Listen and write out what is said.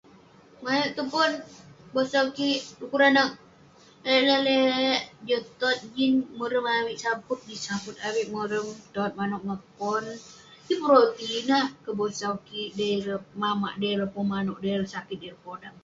Manouk tong pon, kebosau kik, dekuk ranag eh lalek lalek joh tot jin morem avik saput, jin saput avik morem. Tot manouk ngan pon, yeng pun roti. Ineh kebosau kik dei ireh mamak, dei ireh pun manouk, dei ireh sakit, dei ireh podam.